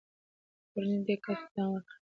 کورنۍ دې کسب ته دوام ورکړ.